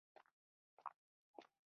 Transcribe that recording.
خیر خبرې هم ثواب لري.